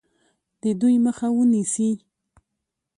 د دوی مخه ونیسي.